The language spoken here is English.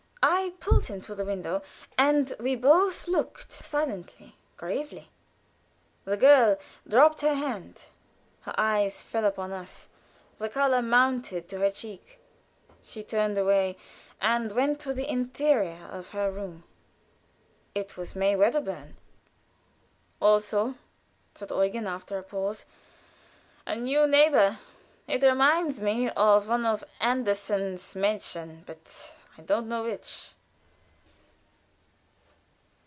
I pulled him to the window, and we both looked silently, gravely. The girl dropped her hand; her eyes fell upon us. The color mounted to her cheek; she turned away and went to the interior of the room. It was May Wedderburn. "Also!" said Eugen, after a pause. "A new neighbor; it reminds me of one of Andersen's 'Märchen,' but I don't know which."